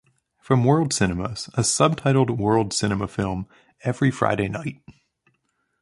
From World Cinemas - A subtitled world cinema film every Friday night.